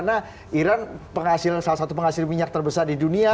bisa perang dunia ketiga